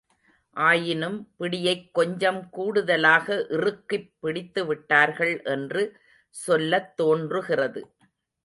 ஆயினும் பிடியைக் கொஞ்சம் கூடுதலாக இறுக்கிப் பிடித்துவிட்டார்கள் என்று சொல்லத் தோன்றுகிறது.